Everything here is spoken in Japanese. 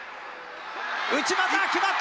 内股決まった！